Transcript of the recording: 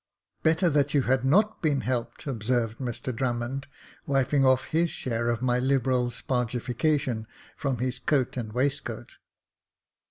" Better that you had not been helped," observed Mr Drummond, wiping off his share of my liberal spargefica tion from his coat and waistcoat.